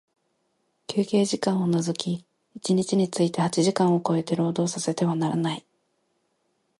休憩時間を除き一日について八時間を超えて、労働させてはならない。